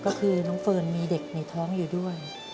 ก็คือน้องเฟิร์นมีเด็กในท้องอยู่ด้วย